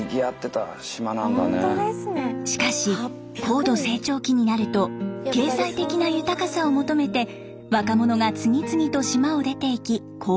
しかし高度成長期になると経済的な豊かさを求めて若者が次々と島を出て行き高齢化。